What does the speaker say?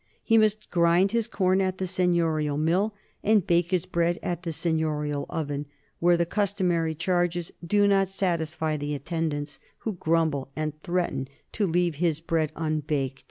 He must grind his grain at the seigniorial mill and bake his bread at the seigniorial oven, where the customary charges do not satisfy the attendants, who grumble and threaten to leave his bread unbaked.